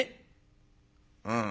「うん」。